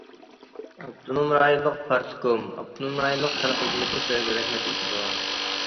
ئاپتونوم رايونلۇق پارتكوم، ئاپتونوم رايونلۇق خەلق ھۆكۈمىتى سىلەرگە رەھمەت ئېيتىدۇ!